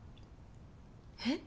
えっ？